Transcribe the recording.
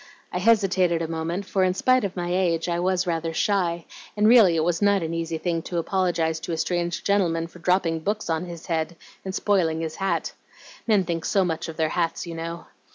I hesitated a moment, for in spite of my age I was rather shy, and really it was not an easy thing to apologize to a strange gentle man for dropping books on his head and spoiling his hat. Men think so much of their hats you know.